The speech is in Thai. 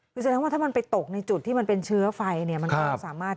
คือแสดงว่าถ้ามันไปตกในจุดที่มันเป็นเชื้อไฟเนี่ยมันก็สามารถ